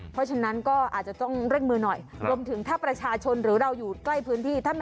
เพราะฉะนั้นก็อาจจะต้องเร่งมือหน่อยรวมถึงถ้าประชาชนหรือเราอยู่ใกล้พื้นที่